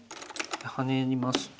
ハネますと。